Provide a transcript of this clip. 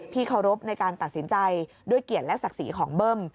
เคารพในการตัดสินใจด้วยเกียรติและศักดิ์ศรีของเบิ้ม